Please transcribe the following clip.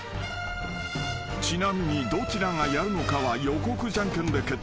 ［ちなみにどちらがやるのかは予告ジャンケンで決定］